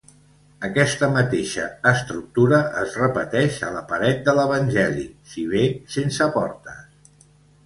Aquesta mateixa estructura es repeteix a la paret de l'evangeli si bé sense portes.